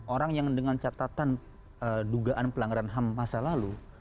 orang yang dengan catatan dugaan pelanggaran ham masa lalu